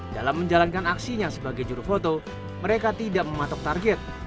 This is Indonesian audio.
dalam menjalankan aksinya sebagai juru foto mereka tidak mematok target